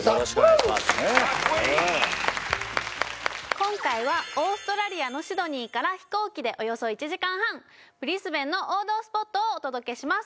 今回はオーストラリアのシドニーから飛行機でおよそ１時間半ブリスベンの王道スポットをお届けします